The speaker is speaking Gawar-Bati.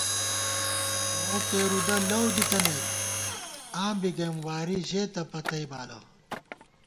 مو پېرُودہ لَؤ دِتَنَئیت ، آں بی گئیم واری ژېتہ پتئ بالہ